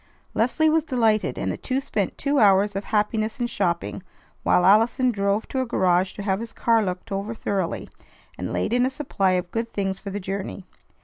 Leslie was delighted, and the two spent two hours of happiness in shopping, while Allison drove to a garage to have his car looked over thoroughly, and laid in a supply of good things for the journey.